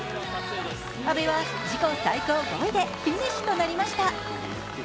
阿部は自己最高５位でフィニッシュとなりました。